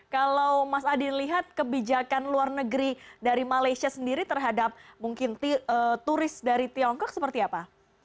kalau mas adin lihat kebijakan luar negeri dari malaysia sendiri terhadap mungkin turis dari tiongkok seperti apa